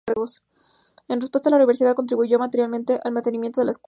En respuesta la Universidad contribuyó materialmente al mantenimiento de la escuela.